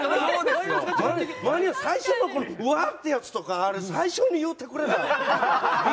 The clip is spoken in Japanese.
最初のころうわってやつとか最初に言うてくれな！